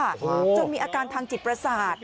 ครับจนมีอาการทางจิตประสาท